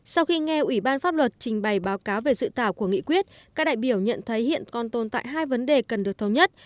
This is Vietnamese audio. sau khi nghe ủy ban pháp luật trình bày báo cáo về dự thảo của nghị quyết các đại biểu nhận thấy hiện còn tồn tại hai vấn đề cần được thống nhất